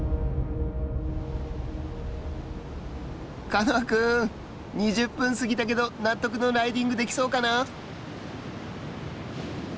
カノアくーん、２０分過ぎたけど納得のライディングできそうかな。